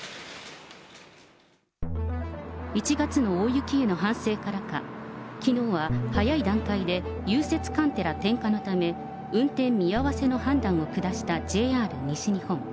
１月の大雪への反省からか、きのうは早い段階で融雪カンテラ点火のため、運転見合わせの判断を下したＪＲ西日本。